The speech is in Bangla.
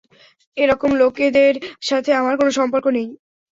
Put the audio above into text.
এরকম লোকেদের সাথে আমার কোনো সম্পর্ক নেই।